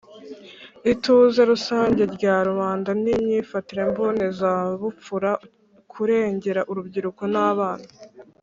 Ituze Rusange Rya Rubanda N Imyifatire Mbonezabupfura Ukurengera Urubyiruko N Abana